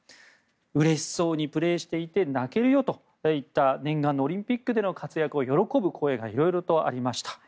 うれしそうにプレーしていて泣けるよといった念願のオリンピックでの活躍を喜ぶ声が色々ありました。